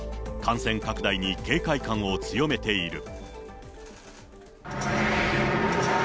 感染拡大に警戒感を強めている。